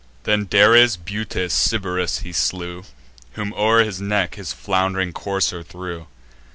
Then Dares, Butes, Sybaris he slew, Whom o'er his neck his flound'ring courser threw.